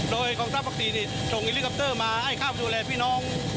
โดยกองทรัพย์ปกติจงอีลิกอัพเตอร์มาให้ข้าวบริษุบุรแหลกพี่น้อง